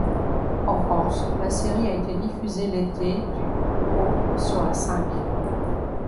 En France, la série a été diffusée l'été du au sur La Cinq.